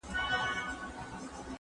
ورته اور كلى، مالت، كور او وطن سي